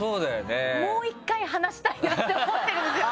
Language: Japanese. もう１回話したいなって思ってるんですよね。